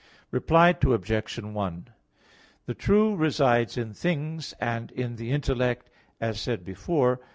Reply Obj. 1: The true resides in things and in the intellect, as said before (A.